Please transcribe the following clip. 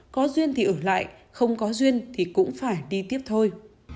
có duyên thì ở lại không có duyên thì cũng phải đi tiếp thôi